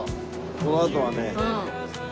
このあとはね。